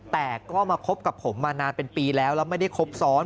แต่ก็มาคบกับผมมานานเป็นปีแล้วแล้วไม่ได้ครบซ้อน